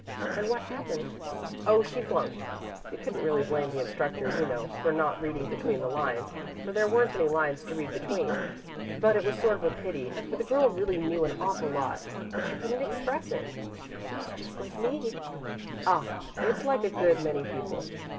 "And what happened?" "Oh, she flunked. You couldn't really blame the instructor, you know, for not reading between the lines, for there weren't any lines to read between; but it was sort of a pity, for the girl really knew an awful lot but she couldn't express it." "That's just like me." "Ah, it's like a good many people."